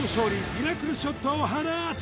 ミラクルショットを放つ